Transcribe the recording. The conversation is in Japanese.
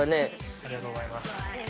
◆ありがとうございます。